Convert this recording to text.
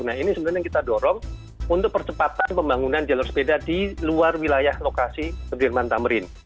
nah ini sebenarnya yang kita dorong untuk percepatan pembangunan jalur sepeda di luar wilayah lokasi sudirman tamrin